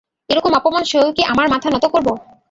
এরকম অপমান সয়েও কি আমার মাথা নত করব?